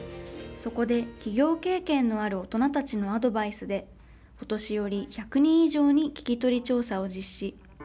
そこで、起業経験のある大人たちのアドバイスで、お年寄り１００人以上に聞き取り調査を実施。